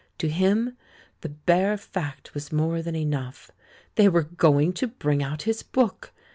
To him the bare fact was more than enough. They were going to bring out his book.